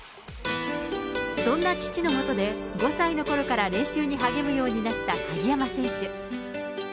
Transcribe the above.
そんな父のもとで５歳のころから練習に励むようになった鍵山選手。